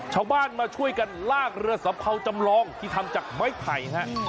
ชาวบ้านมาช่วยกันลากเรือสัมเภาจำลองที่ทำจากไม้ไผ่ฮะ